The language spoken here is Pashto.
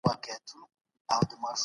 موږ بايد د پېښو اصلي لاملونه پيدا کړو.